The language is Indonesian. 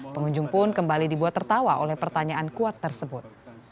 pengunjung pun kembali dibuat tertawa oleh pertanyaan kuat tersebut